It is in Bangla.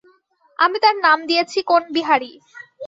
আমি তার নাম দিয়েছি কোণবিহারী।